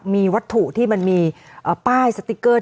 มีวัตถุที่มันมีป้ายสติ๊กเกอร์